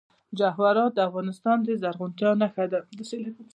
جواهرات د افغانستان د زرغونتیا نښه ده.